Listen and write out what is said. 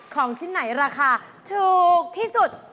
ของชิ้นไหนราคาถูกที่สุด